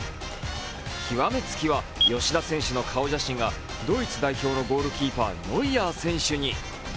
極めつきは、吉田選手の顔写真がドイツ代表のゴールキーパーノイアー選手に。